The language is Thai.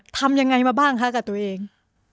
ทำยังไงมาบ้างคะกับตัวเอง